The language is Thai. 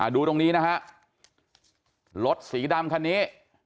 ดูตรงนี้นะฮะรถสีดำคันนี้